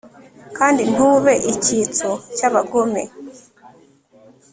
kandi ntube icyitso cy'abagome